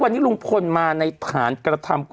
กรมป้องกันแล้วก็บรรเทาสาธารณภัยนะคะ